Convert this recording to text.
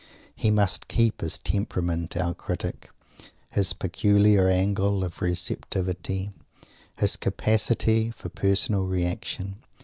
He must keep his temperament, our Critic; his peculiar angle of receptivity, his capacity for personal reaction.